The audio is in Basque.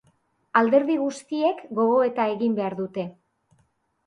Alderdi guztiek gogoeta egin behar dute.